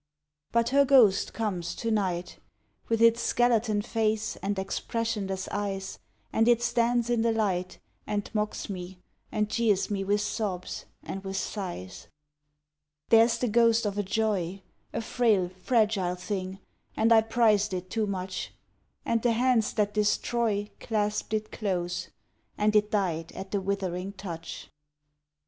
But her ghost comes to night, With its skeleton face and expressionless eyes, And it stands in the light, And mocks me, and jeers me with sobs and with sighs. There's the ghost of a Joy, A frail, fragile thing, and I prized it too much, And the hands that destroy Clasped it close, and it died at the withering touch.